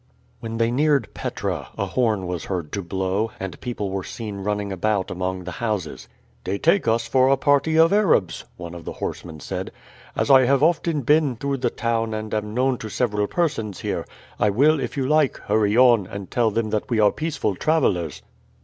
When they neared Petra a horn was heard to blow, and people were seen running about among the houses. "They take us for a party of Arabs," one of the horsemen said. "As I have often been through the town and am known to several persons here, I will, if you like, hurry on and tell them that we are peaceful travelers."